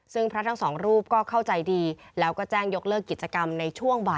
ซึ่งพระทั้ง๒รูปก็เข้าใจดี